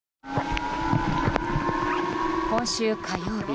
今週火曜日。